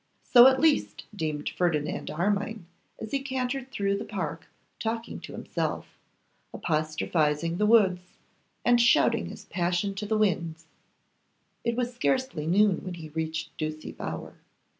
So at least deemed Ferdinand Armine, as he cantered through the park, talking to himself, apostrophising the woods, and shouting his passion to the winds. It was scarcely noon when he reached Ducie Bower.